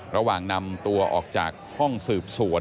ระหว่างนำตัวออกจากห้องสืบสวน